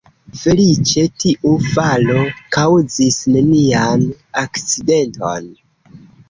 Feliĉe tiu falo kaŭzis nenian akcidenton.